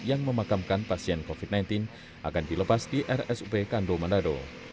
yang memakamkan pasien covid sembilan belas akan dilepas di rsub kandow menado